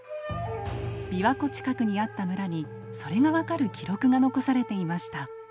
びわ湖近くにあった村にそれが分かる記録が残されていました。